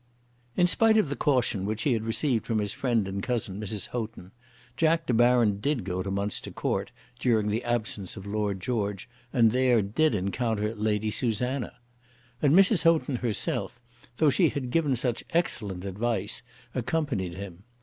In spite of the caution which he had received from his friend and cousin Mrs. Houghton, Jack De Baron did go to Munster Court during the absence of Lord George, and there did encounter Lady Susanna. And Mrs. Houghton herself, though she had given such excellent advice, accompanied him.